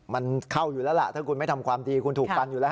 มันเข้าอยู่แล้วล่ะถ้าคุณไม่ทำความดีคุณถูกฟันอยู่แล้ว